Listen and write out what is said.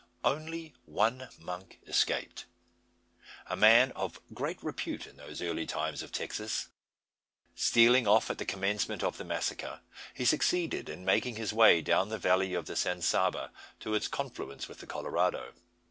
Only one monk escaped a man of great repute in those early times of Texas. Stealing off at the commencement of the massacre, he succeeded in making his way down the valley of the San Saba, to its confluence with the Colorado.